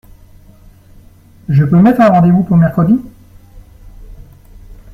Je peux mettre un rendez-vous pour mercredi ?